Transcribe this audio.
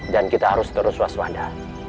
dan kita harus terus waswada